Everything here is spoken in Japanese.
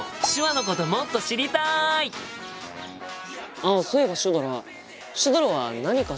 あっそういえばシュドラシュドラは何か趣味ってあるの？